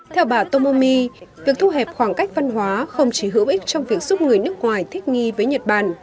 theo bà tomomi việc thu hẹp khoảng cách văn hóa không chỉ hữu ích trong việc giúp người nước ngoài thích nghi với nhật bản